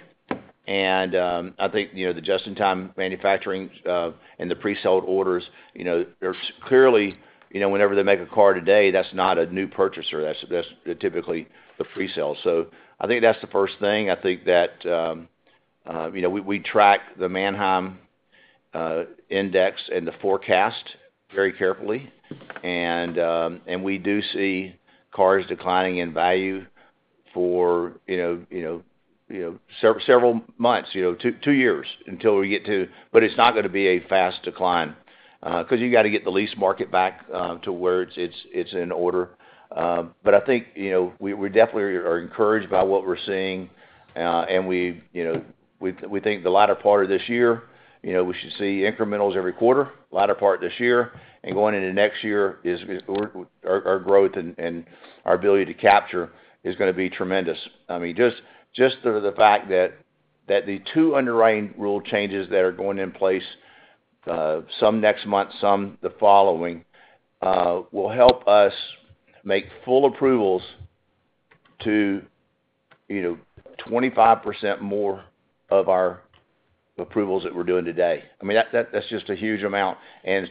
I think, you know, the just-in-time manufacturing and the pre-sold orders, you know, there's clearly, you know, whenever they make a car today, that's not a new purchaser. That's typically the pre-sale. I think that's the first thing. I think that, you know, we track the Manheim index and the forecast very carefully. We do see cars declining in value for you know several months you know two years until we get to, but it's not gonna be a fast decline 'cause you gotta get the lease market back to where it's in order. I think you know we definitely are encouraged by what we're seeing. We you know think the latter part of this year you know we should see incrementals every quarter, latter part of this year. Going into next year our growth and our ability to capture is gonna be tremendous. I mean, just through the fact that the two underwriting rule changes that are going in place, some next month, some the following, will help us make full approvals to, you know, 25% more of our approvals that we're doing today. I mean, that's just a huge amount.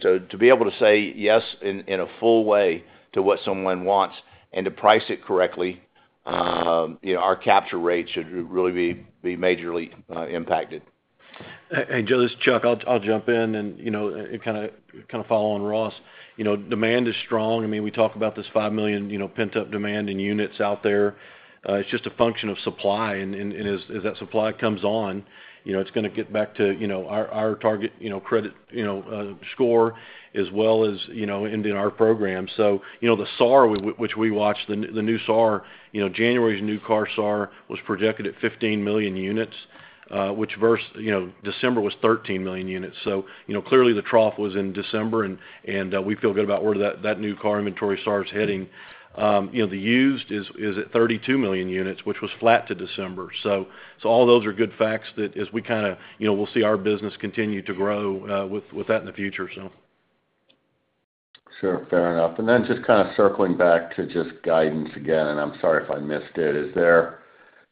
To be able to say yes in a full way to what someone wants and to price it correctly, you know, our capture rate should really be majorly impacted. Joe, this is Chuck. I'll jump in and kinda follow on Ross. You know, demand is strong. I mean, we talk about this 5 million pent-up demand in units out there. It's just a function of supply. As that supply comes on, you know, it's gonna get back to our target credit score as well as in our program. The SAAR, which we watch, the new SAAR. January's new car SAAR was projected at 15 million units, which versus December was 13 million units. Clearly the trough was in December, and we feel good about where that new car inventory SAAR is heading. You know, the used is at 32 million units, which was flat to December. So all those are good facts that as we kinda, you know, we'll see our business continue to grow with that in the future, so. Sure. Fair enough. Just kinda circling back to just guidance again, and I'm sorry if I missed it. Is there,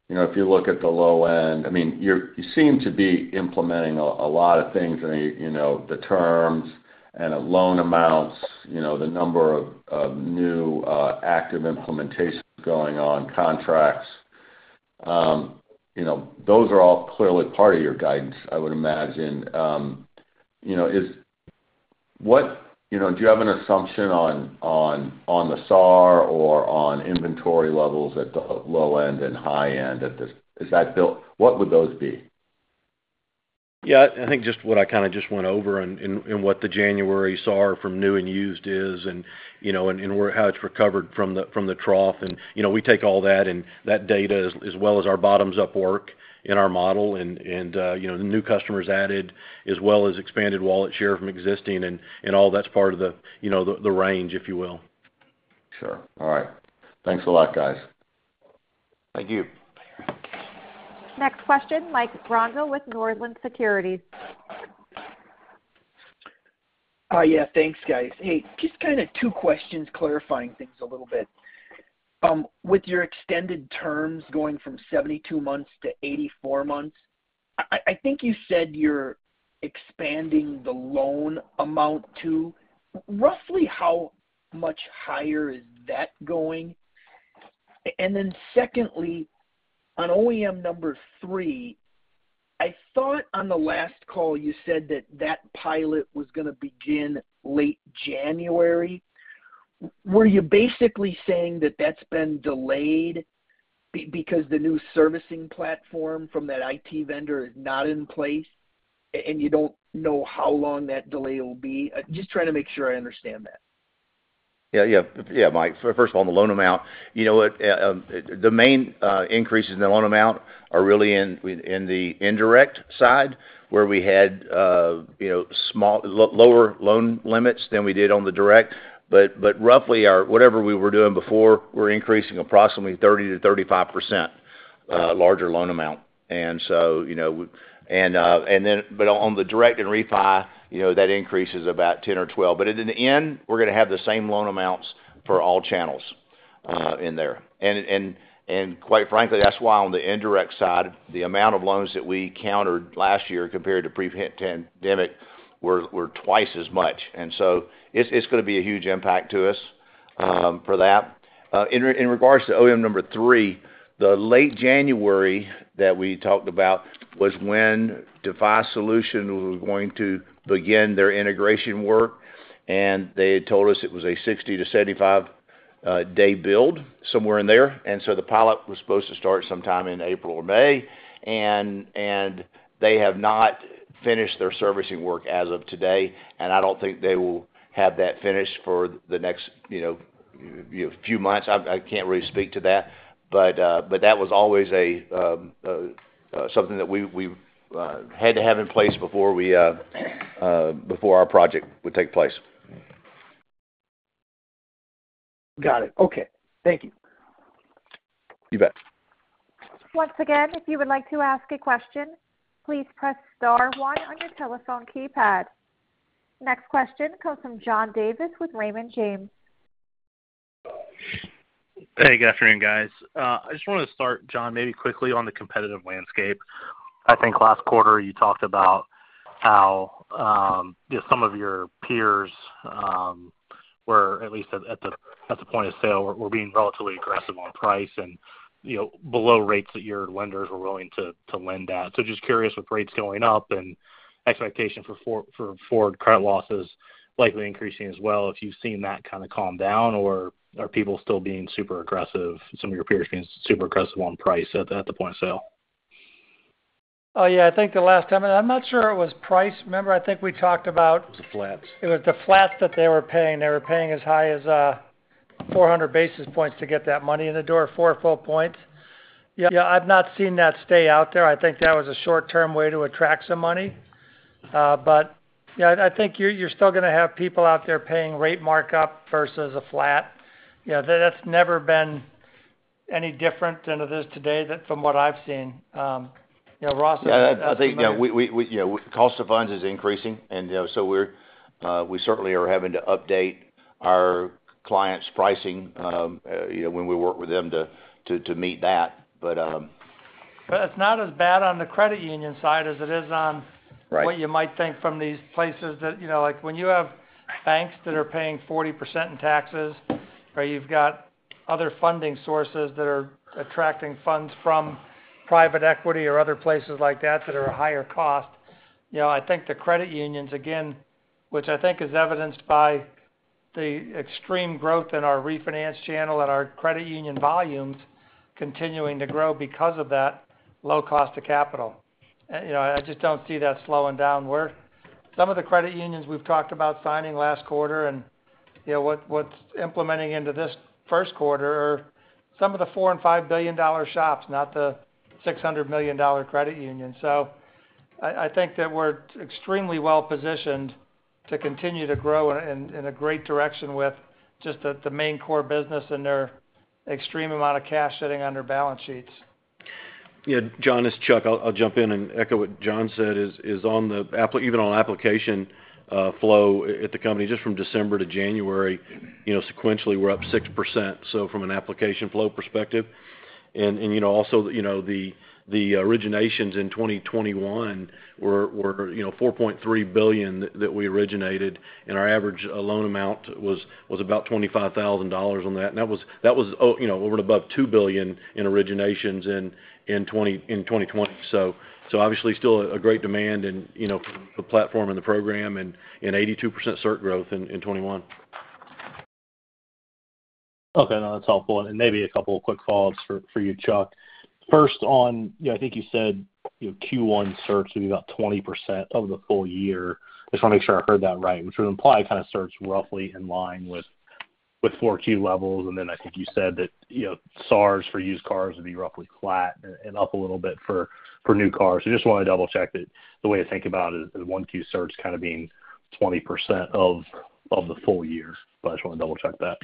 you know, if you look at the low end, I mean, you seem to be implementing a lot of things, I mean, you know, the terms and loan amounts, you know, the number of new active implementations going on, contracts. You know, those are all clearly part of your guidance, I would imagine. You know, do you have an assumption on the SAAR or on inventory levels at the low end and high end at this? Is that built? What would those be? Yeah. I think just what I kinda just went over and what the January SAAR from new and used is, and you know where how it's recovered from the trough. You know, we take all that and that data as well as our bottoms-up work in our model and you know the new customers added as well as expanded wallet share from existing, and all that's part of the range, if you will. Sure. All right. Thanks a lot, guys. Thank you. All right. Next question, Mike Grondahl with Northland Securities. Yeah. Thanks, guys. Hey, just kinda two questions clarifying things a little bit. With your extended terms going from 72 months to 84 months, I think you said you're expanding the loan amount too. Roughly how much higher is that going? And then secondly, on OEM number three, I thought on the last call you said that pilot was gonna begin late January. Were you basically saying that that's been delayed because the new servicing platform from that IT vendor is not in place, and you don't know how long that delay will be? Just trying to make sure I understand that. Yeah, Mike. First of all, the loan amount. You know what, the main increases in the loan amount are really in the indirect side where we had you know, lower loan limits than we did on the direct. Roughly whatever we were doing before, we're increasing approximately 30% to 35% larger loan amount. You know, and then on the direct and refi, you know, that increase is about 10% or 12%. In the end, we're gonna have the same loan amounts for all channels in there. Quite frankly, that's why on the indirect side, the amount of loans that we encountered last year compared to pre-pandemic were twice as much. It's gonna be a huge impact to us for that. In regards to OEM number three, the late January that we talked about was when defi SOLUTIONS was going to begin their integration work, and they had told us it was a 60 to 75 Their build, somewhere in there. The pilot was supposed to start sometime in April or May, and they have not finished their servicing work as of today, and I don't think they will have that finished for the next, you know, few months. I can't really speak to that. That was always something that we had to have in place before our project would take place. Got it. Okay. Thank you. You bet. Once again, if you would like to ask a question, please press star one on your telephone keypad. Next question comes from John Davis with Raymond James. Hey, good afternoon, guys. I just wanted to start, John, maybe quickly on the competitive landscape. I think last quarter you talked about how just some of your peers were at least at the point of sale, were being relatively aggressive on price and, you know, below rates that your lenders were willing to lend at. Just curious, with rates going up and expectations for credit losses likely increasing as well, if you've seen that kind of calm down, or are people still being super aggressive, some of your peers being super aggressive on price at the point of sale? Oh, yeah. I think the last time. I'm not sure it was price. Remember, I think we talked about. It was the flats. It was the flats that they were paying. They were paying as high as 400 basis points to get that money in the door, four full points. Yeah, I've not seen that stay out there. I think that was a short-term way to attract some money. Yeah, I think you're still gonna have people out there paying rate markup versus a flat. You know, that has never been any different than it is today that from what I've seen. You know, Ross- Yeah. I think, you know, cost of funds is increasing and, you know, so we certainly are having to update our clients' pricing, you know, when we work with them to meet that. It's not as bad on the credit union side as it is on- Right What you might think from these places that, you know, like when you have banks that are paying 40% in taxes or you've got other funding sources that are attracting funds from private equity or other places like that that are a higher cost, you know, I think the credit unions, again, which I think is evidenced by the extreme growth in our refinance channel and our credit union volumes continuing to grow because of that low cost of capital. You know, I just don't see that slowing down where some of the credit unions we've talked about signing last quarter and, you know, what's implementing into this first quarter are some of the $4 billion and $5 billion shops, not the $600 million credit unions. I think that we're extremely well-positioned to continue to grow in a great direction with just the main core business and their extreme amount of cash sitting on their balance sheets. Yeah. John, it's Chuck. I'll jump in and echo what John said is on the app, even on application flow at the company just from December to January, you know, sequentially, we're up 6%, so from an application flow perspective. You know, the originations in 2021 were $4.3 billion that we originated, and our average loan amount was about $25,000 on that. That was, you know, over and above $2 billion in originations in 2020. Obviously still a great demand and, you know, the platform and the program and 82% cert growth in 2021. Okay. No, that's helpful. Maybe a couple of quick follows for you, Chuck. First on, you know, I think you said, you know, Q1 cert should be about 20% of the full year. Just wanna make sure I heard that right, which would imply kind of cert's roughly in line with 4Q levels. I think you said that, you know, APRs for used cars would be roughly flat and up a little bit for new cars. Just wanna double-check that the way to think about it is 1Q cert kind of being 20% of the full year. I just wanna double-check that.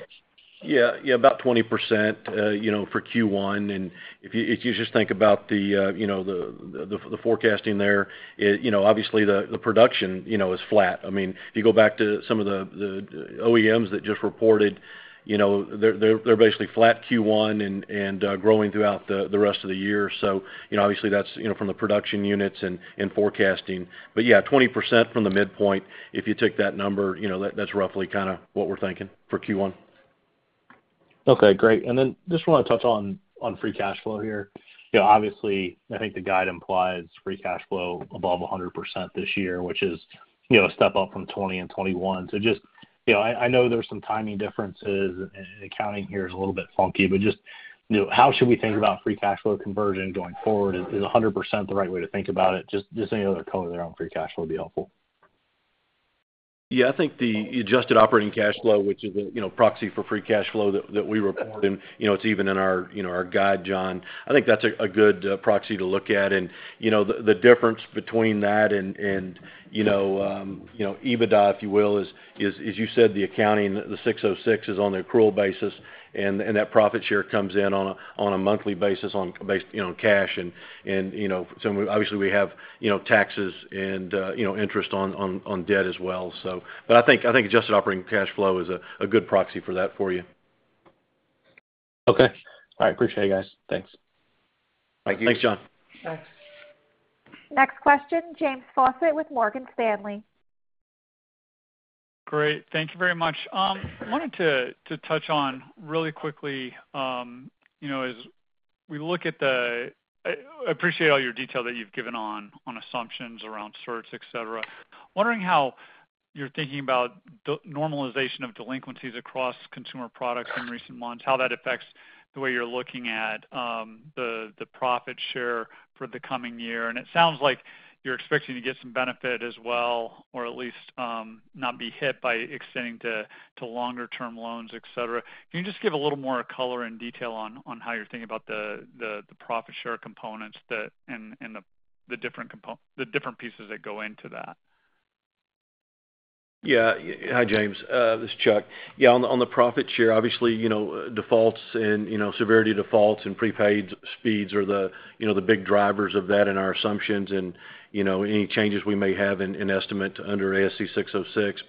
Yeah. Yeah, about 20%, you know, for Q1. If you just think about the forecasting there, you know, obviously the production is flat. I mean, if you go back to some of the OEMs that just reported, you know, they're basically flat Q1 and growing throughout the rest of the year. You know, obviously that's from the production units and forecasting. Yeah, 20% from the midpoint, if you took that number, you know, that's roughly kinda what we're thinking for Q1. Okay, great. Just wanna touch on free cash flow here. You know, obviously, I think the guide implies free cash flow above 100% this year, which is, you know, a step up from 2020 and 2021. Just, you know, I know there's some timing differences and accounting here is a little bit funky, but just, you know, how should we think about free cash flow conversion going forward? Is a hundred percent the right way to think about it? Just any other color there on free cash flow would be helpful. Yeah. I think the adjusted operating cash flow, which is a, you know, proxy for free cash flow that we report, and, you know, it's even in our, you know, our guide, John. I think that's a good proxy to look at. You know, the difference between that and, you know, EBITDA, if you will, is, as you said, the accounting, ASC 606 is on the accrual basis, and that profit share comes in on a monthly basis, based, you know, on cash. You know, so obviously we have, you know, taxes and, you know, interest on debt as well. I think adjusted operating cash flow is a good proxy for that for you. Okay. All right. Appreciate it, guys. Thanks. Thank you. Thanks, John. Next question, James Faucette with Morgan Stanley. Great. Thank you very much. Wanted to touch on really quickly, you know, as we look at the—I appreciate all your detail that you've given on assumptions around certs, et cetera. Wondering how you're thinking about the normalization of delinquencies across consumer products in recent months, how that affects the way you're looking at the profit share for the coming year. It sounds like you're expecting to get some benefit as well, or at least not be hit by extending to longer-term loans, et cetera. Can you just give a little more color and detail on how you're thinking about the profit share components that and the different pieces that go into that? Yeah. Hi, James. This is Chuck. Yeah, on the profit share, obviously, you know, defaults and, you know, severity defaults and prepaid speeds are the, you know, the big drivers of that in our assumptions and, you know, any changes we may have in estimate under ASC 606.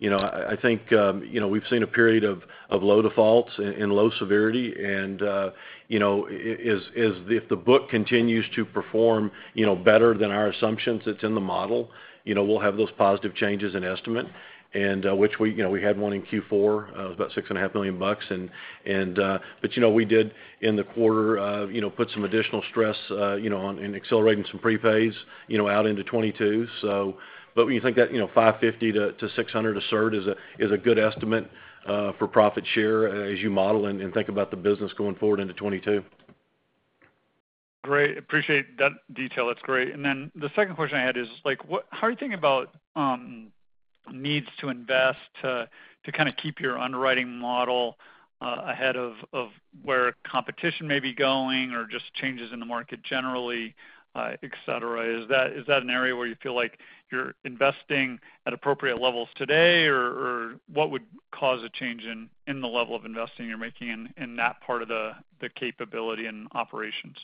You know, I think, you know, we've seen a period of low defaults and low severity and, you know, if the book continues to perform, you know, better than our assumptions that's in the model, you know, we'll have those positive changes in estimate. Which we, you know, we had one in Q4, about $6.5 million. You know, we did, in the quarter, you know, put some additional stress on accelerating some prepays, you know, out into 2022. When you think that, you know, 550 to 600 as it is a good estimate for profit share as you model and think about the business going forward into 2022. Great. Appreciate that detail. That's great. The second question I had is like, how are you thinking about the need to invest to kind of keep your underwriting model ahead of where competition may be going or just changes in the market generally, et cetera? Is that an area where you feel like you're investing at appropriate levels today? Or what would cause a change in the level of investing you're making in that part of the capability and operations?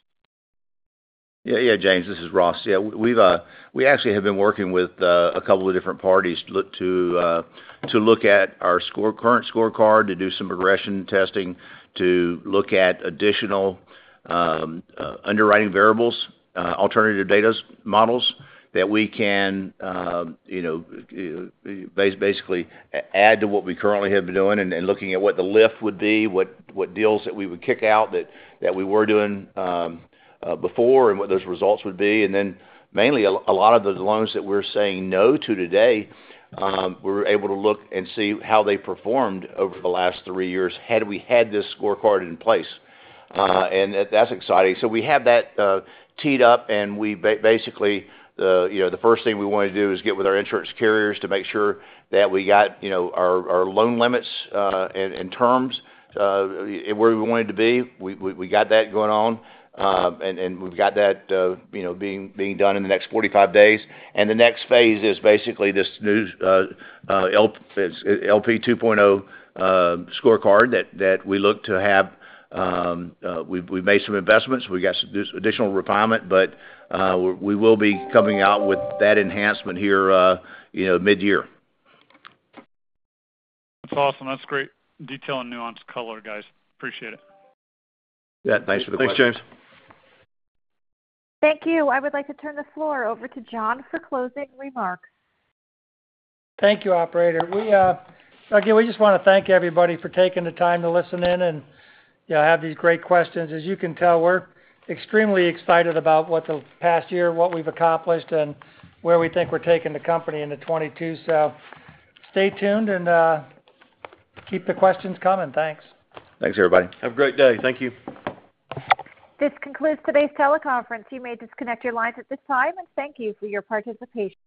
Yeah, James, this is Ross. Yeah, we actually have been working with a couple of different parties to look at our current scorecard, to do some regression testing, to look at additional underwriting variables, alternative data models that we can, you know, basically add to what we currently have been doing and looking at what the lift would be, what deals that we would kick out that we were doing before, and what those results would be. Then mainly a lot of the loans that we're saying no to today, we're able to look and see how they performed over the last three years had we had this scorecard in place. That's exciting. We have that teed up, and we basically, you know, the first thing we wanna do is get with our insurance carriers to make sure that we got, you know, our loan limits and terms where we wanted to be. We got that going on. We've got that, you know, being done in the next 45 days. The next phase is basically this new LP 2.0 scorecard that we look to have. We've made some investments. We've got some additional refinement, but we will be coming out with that enhancement here, you know, midyear. That's awesome. That's great detail and nuanced color, guys. Appreciate it. Yeah, thanks for the question. Thanks, James. Thank you. I would like to turn the floor over to John for closing remarks. Thank you, operator. We again, we just wanna thank everybody for taking the time to listen in and, you know, have these great questions. As you can tell, we're extremely excited about what the past year, what we've accomplished and where we think we're taking the company into 2022. Stay tuned and keep the questions coming. Thanks. Thanks, everybody. Have a great day. Thank you. This concludes today's teleconference. You may disconnect your lines at this time, and thank you for your participation.